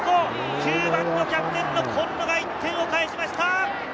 ９番キャプテン・今野が１点を返しました。